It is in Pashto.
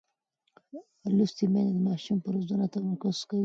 لوستې میندې د ماشوم پر روزنه تمرکز کوي.